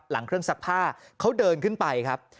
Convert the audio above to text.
หลังเครื่องซักผ้าเขาเดินขึ้นไปครับ